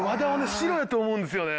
白やと思うんですよね。